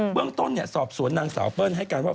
เรื่องต้นสอบสวนนางสาวเปิ้ลให้การว่า